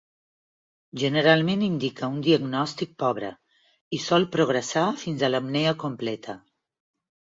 Generalment indica un diagnòstic pobre i sol progressar fins a l'apnea completa.